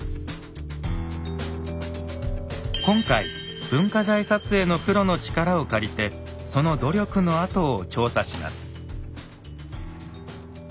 今回文化財撮影のプロの力を借りてその努力の跡を調査します。